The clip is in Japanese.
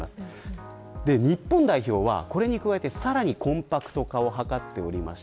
日本はこれに加えて、さらにコンパクト化を図っております。